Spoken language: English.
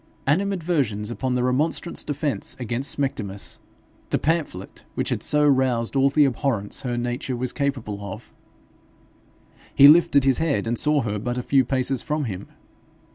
Animadversions upon the Remonstrants Defence against Smectymnus, the pamphlet which had so roused all the abhorrence her nature was capable of he lifted his head and saw her but a few paces from him.